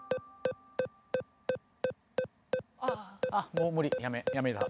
もう無理やめやめた